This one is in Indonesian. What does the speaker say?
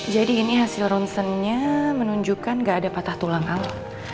jadi ini hasil lonsennya menunjukkan gak ada patah tulang kamu